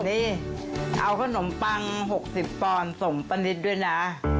นี่เอาขนมปัง๖๐ปอนด์ส่งป้านิตด้วยนะ